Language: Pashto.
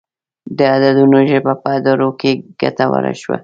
د عددونو ژبه په ادارو کې ګټوره شوه.